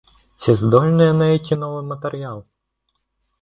Ці здольныя на які новы матэрыял?